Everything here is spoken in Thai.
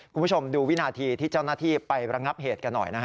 คุณผู้ชมดูวินาทีที่เจ้าหน้าที่ไประงับเหตุกันหน่อยนะฮะ